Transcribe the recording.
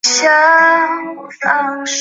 本德然人口变化图示